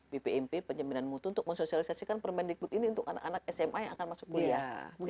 bpmp penyembinaan mutu untuk mensosialisasikan permendikbud ini untuk anak anak sma yang akan masuk kuliah